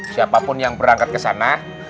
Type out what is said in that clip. siapapun yang berangkat kesana